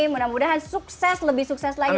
mudah mudahan sukses lebih sukses lagi